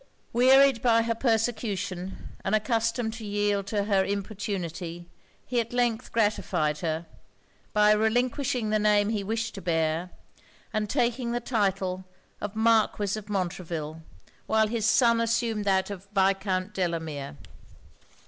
Wearied by her persecution, and accustomed to yield to her importunity, he at length gratified her, by relinquishing the name he wished to bear, and taking the title of Marquis of Montreville, while his son assumed that of Viscount Delamere.